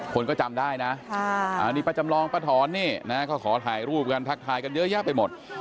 คนก็จำได้นะอันนี้ป้าจำลองป้าถอนนี่นะก็ขอถ่ายรูปกันทักทายกันเยอะแยะไปหมด